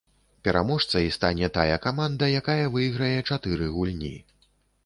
Пераможцай стане тая каманда, якая выйграе чатыры гульні.